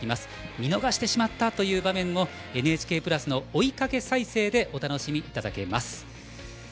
見逃してしまったという場面もＮＨＫプラスの追いかけ再生でお楽しみいただけます。